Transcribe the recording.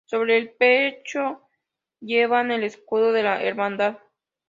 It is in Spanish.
Sobre el pecho llevan el escudo de la Hermandad.